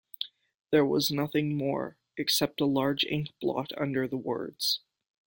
There was nothing more, except a large ink blot under the words.